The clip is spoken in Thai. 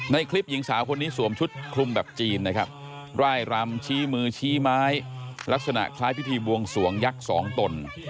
ในคลิปหญิงสาวคนนี้สวมชุดคลุมแบบจีนนะครับร่ายรำชี้มือชี้ไม้ลักษณะคล้ายพิธีบวงสวงยักษ์สองตน